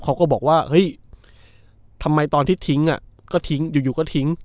เขาก็บอกว่าเฮ้ยทำไมตอนที่ทิ้งอ่ะก็ทิ้งอยู่ก็ทิ้ง